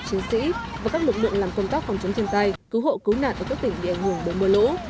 chiến sĩ và các lực lượng làm công tác phòng chống thiên tai cứu hộ cứu nạn ở các tỉnh bị ảnh hưởng bởi mưa lũ